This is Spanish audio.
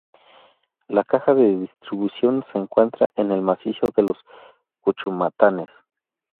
La caja de distribución se encuentra en el macizo de Los Cuchumatanes.